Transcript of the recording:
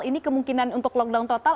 ini kemungkinan untuk lockdown total